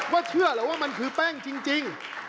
เชื่อเหรอว่ามันคือแป้งจริง